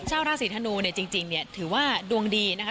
ชาวราศีธนูเนี่ยจริงเนี่ยถือว่าดวงดีนะคะ